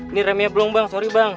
ini remnya belum bang sorry bang